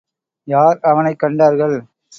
யார் அவனைக் கண்டார்கள்.